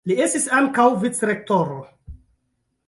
Li estis ankaŭ vicrektoro.